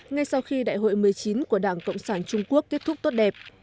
ngay sau khi đại hội một mươi chín của đảng cộng sản trung quốc kết thúc tốt đẹp